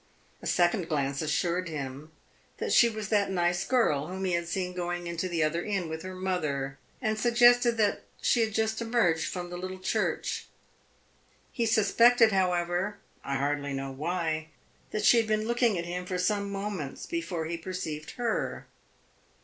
A second glance assured him that she was that nice girl whom he had seen going into the other inn with her mother, and suggested that she had just emerged from the little church. He suspected, however I hardly know why that she had been looking at him for some moments before he perceived her.